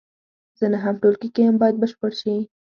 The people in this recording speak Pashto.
زه نهم ټولګي کې یم باید بشپړ شي.